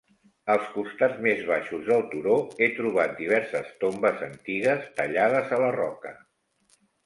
Als costats més baixos del turó he trobat diverses tombes antigues tallades a la roca.